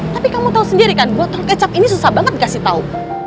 tapi kamu tahu sendiri kan botol kecap ini susah banget dikasih tahu